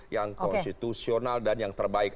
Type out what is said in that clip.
yang konstitusional dan yang terbaik